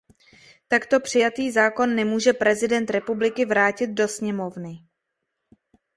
Takto přijatý zákon nemůže prezident republiky vrátit do sněmovny.